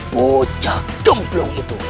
bocah gemblong itu